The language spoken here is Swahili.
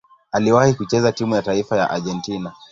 Aliwahi kucheza timu ya taifa ya Argentina.